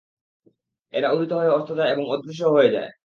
এরা উদিত হয় ও অস্ত যায় এবং অদৃশ্যও হয়ে যায়।